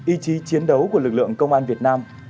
ý chí chiến đấu của lực lượng công an việt nam